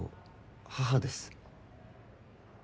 母です。